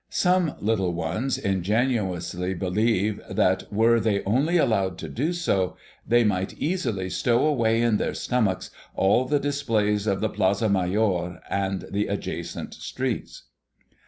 Some little ones ingenuously believe that were they only allowed to do so, they might easily stow away in their stomachs all the displays of the Plaza Mayor and the adjacent streets.